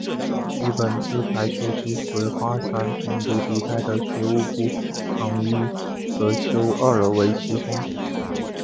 日本治台初期随桦山总督抵台的学务部长伊泽修二为其兄。